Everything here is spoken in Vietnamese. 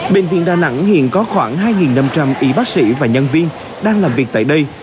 bệnh viện đà nẵng hiện có khoảng hai năm trăm linh y bác sĩ và nhân viên đang làm việc tại đây